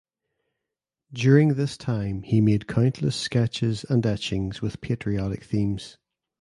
During this time he made countless sketches and etchings with patriotic themes.